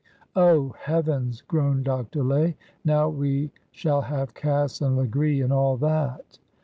'^'' Oh, heavens !" groaned Dr. Lay. " Now we shall have Cass and Legree and all that